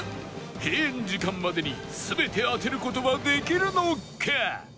閉園時間までに全て当てる事はできるのか？